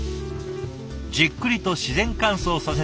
じっくりと自然乾燥させた干し大根。